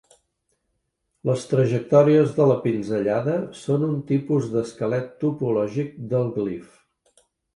Les trajectòries de la pinzellada són un tipus d'esquelet topològic del glif.